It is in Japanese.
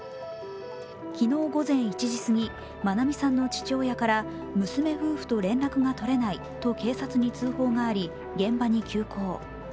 昨日午前１時過ぎ、愛美さんの父親から娘夫婦と連絡が取れないと警察に通報があり現場に急行。